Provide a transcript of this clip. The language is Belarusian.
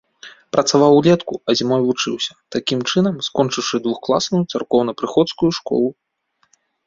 Працаваў улетку, а зімой вучыўся, такім чынам скончыўшы двухкласную царкоўнапрыходскую школу.